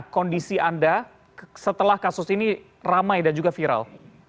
kondisi anda setelah kasus ini ramai dan juga viral